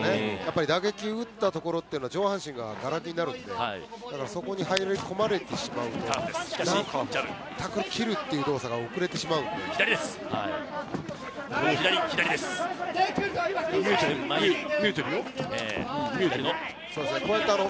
打撃を打ったところは上半身ががら空きになるのでそこに入り込まれてしまうとタックル切るという動作が遅れてしまうんですよね。